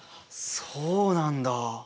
そうなんだ。